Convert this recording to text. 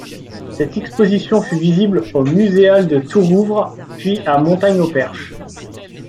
Cette exposition fut visible aux Muséales de Tourouvre, puis à Mortagne-au-Perche.